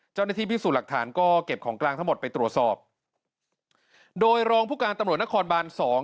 เจ้าหน้าที่พิสูจน์หลักฐานก็เก็บของกลางทั้งหมดไปตรวจสอบโดยรองผู้การตำรวจนครบานสอง